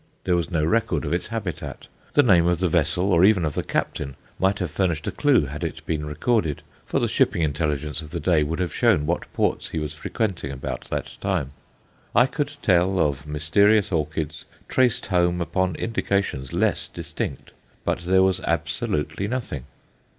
There was no record of its habitat. The name of the vessel, or even of the captain, might have furnished a clue had it been recorded, for the shipping intelligence of the day would have shown what ports he was frequenting about that time. I could tell of mysterious orchids traced home upon indications less distinct. But there was absolutely nothing.